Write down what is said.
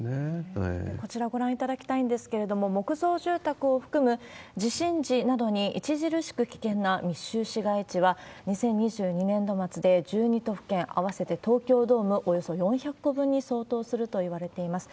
こちらご覧いただきたいんですけれども、木造住宅を含む地震時などに著しく危険な密集市街地は、２０２２年度末で１２都府県、合わせて東京ドームおよそ４００個分に相当するといわれています。